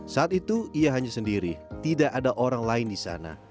saat itu ia hanya sendiri tidak ada orang lain di sana